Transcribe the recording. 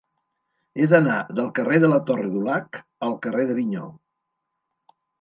He d'anar del carrer de la Torre Dulac al carrer d'Avinyó.